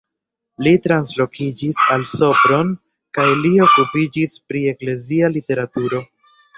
Li translokiĝis al Sopron kaj li okupiĝis pri eklezia literaturo.